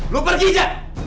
lo pergi jah